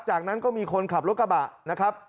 จากนั้นก็มีคนขับรถกระบะนะครับ